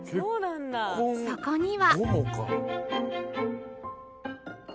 そこには